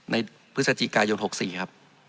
ในพฤศจิกายน๖๔ครับ